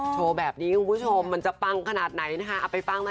โชว์แบบนี้คุณผู้ชมมันจะปังขนาดไหนนะคะเอาไปฟังหน่อย